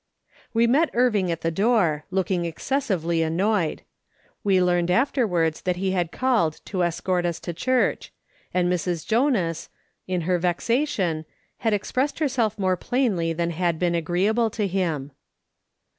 We met Irving at the door, looking excessively annoyed. "We learned afterwards that he had called to escort us to church, and Mrs. Jonas, in her vexa tion, had expressed herself more plainly than had been agreeable to him.